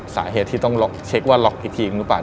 สาเหตุที่ต้องเช็คว่าล็อกอีกทีหรือเปล่า